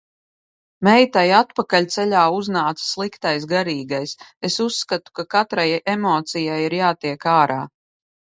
Meitai atpakaļceļā uznāca sliktais garīgais. Es uzskatu, ka katrai emocija ir jātiek ārā.